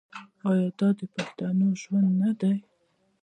آیا دا د پښتنو ژوند نه دی؟